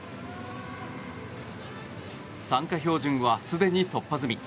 参加標準はすでに突破済み。